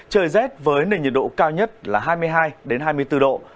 trời rét với nền nhiệt độ cao nhất là hai mươi hai hai mươi bốn độ